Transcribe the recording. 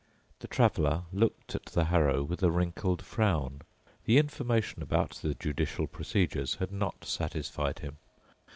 The Traveler looked at the harrow with a wrinkled frown. The information about the judicial procedures had not satisfied him.